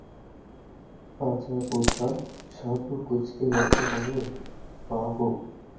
পাছা-পুছা সব কুঁচকে যাচ্ছে, মা গো!